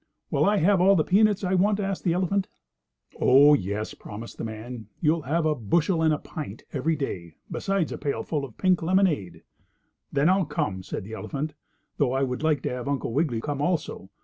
"Will I have all the peanuts I want?" asked the elephant. "Oh, yes," promised the man, "you may have a bushel and a pint every day, besides a pailful of pink lemonade." "Then I'll come," said the elephant, "though I would like to have Uncle Wiggily come also.